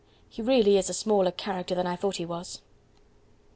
He really is a smaller character than I thought he was."